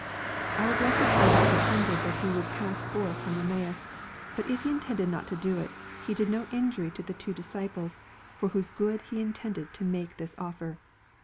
—" Our blessed Saviour pretended that He would pass forth from Eramaus : but if He intended not to do it, He did no injury to the two dis ciples, for whose good He intended to make this oflfer.